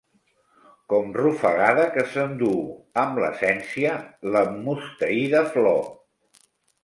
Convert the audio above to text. Com rufagada que s'enduu, amb l’essència, l’emmusteïda flor.